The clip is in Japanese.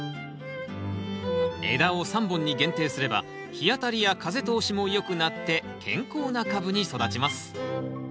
枝を３本に限定すれば日当たりや風通しもよくなって健康な株に育ちます。